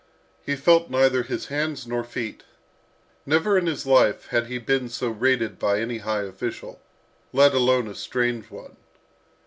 He felt neither his hands nor feet. Never in his life had he been so rated by any high official, let alone a strange one.